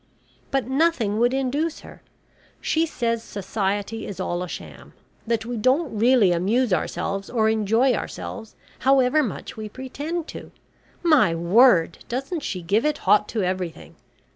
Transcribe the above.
"But nothing would induce her. She says Society is all a sham. That we don't really amuse ourselves or enjoy ourselves, however much we pretend to! My word! doesn't she give it hot to everything.